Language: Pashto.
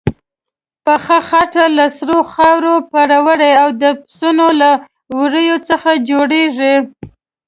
پخه خټه له سرې خاورې، پروړې او د پسونو له وړیو څخه جوړیږي.